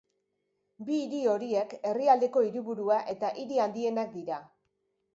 Bi hiri horiek, herrialdeko hiriburua eta hiri handienak dira.